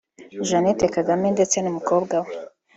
Jeannette Kagame ndetse n’umukobwa we